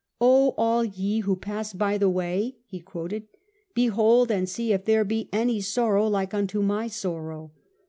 "' O all ye who pass by the way,' he quoted ;* behold and see if there be any sorrow like unto my sorrow.'